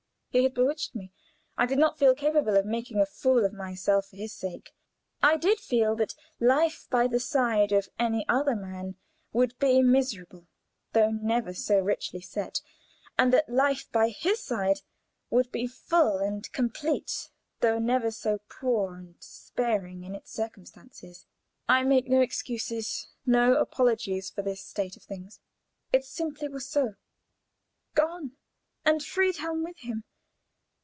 He had bewitched me; I did feel capable of "making a fool of myself" for his sake. I did feel that life by the side of any other man would be miserable, though never so richly set; and that life by his side would be full and complete though never so poor and sparing in its circumstances. I make no excuses, no apologies for this state of things. It simply was so. Gone! And Friedhelm with him!